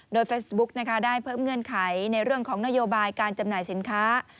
โดยเฟซบุ๊กนะคะได้เพิ่มเงื่อนไขในเรื่องของนโยบายการจำหน่ายสินค้า